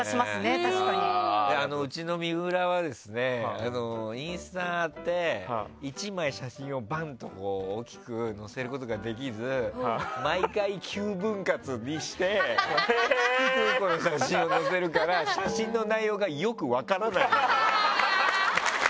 うちの水卜はインスタって１枚写真を大きく載せることができず毎回９分割にして写真を載せるから写真の内容がよく分からない。